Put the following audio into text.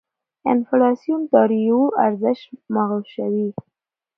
انفلاسیون داراییو ارزش مغشوشوي.